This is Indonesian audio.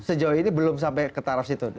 sejauh ini belum sampai ke taraf itu